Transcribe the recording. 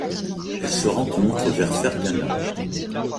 Elle se rencontre vers Ferghana.